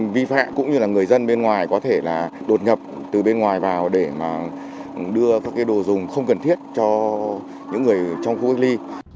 vi phạm cũng như là người dân bên ngoài có thể là đột nhập từ bên ngoài vào để mà đưa các đồ dùng không cần thiết cho những người trong khu cách ly